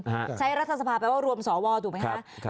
ใช้รัฐสภาคมว่ารวมศรอวร์ถูกไหมคะ